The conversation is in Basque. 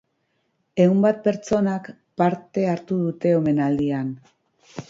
Ehun bat pertsonak parte hartu dute omenaldian.